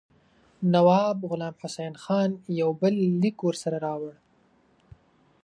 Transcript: نواب غلام حسین خان یو بل لیک ورسره راوړ.